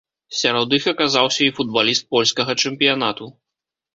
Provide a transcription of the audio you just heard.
Сярод іх аказаўся і футбаліст польскага чэмпіянату.